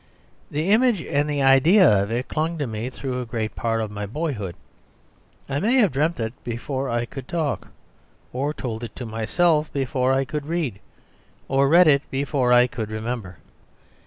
The image and the idea of it clung to me through a great part of my boyhood; I may have dreamt it before I could talk; or told it to myself before I could read; or read it before I could remember.